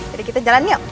jadi kita jalan yuk